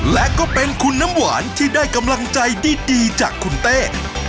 และก็เป็นคุณน้ำหวานที่ได้กำลังใจดีจากคุณเต้